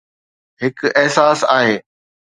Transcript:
هڪ احساس آهي